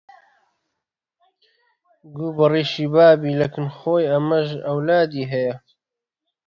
گوو بەڕیش بابی لە کن خۆی ئەمیش ئەولادی هەیە